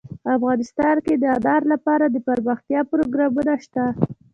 افغانستان کې د انار لپاره دپرمختیا پروګرامونه شته.